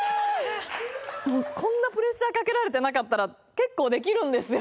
もうこんなプレッシャーかけられてなかったら結構できるんですよ